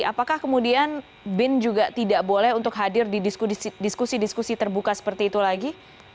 apakah kemudian bin juga tidak boleh untuk hadir di diskusi diskusi terbuka seperti itu lagi